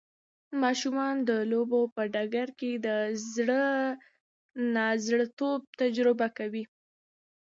ماشومان د لوبو په ډګر کې د زړه نا زړه توب تجربه کوي.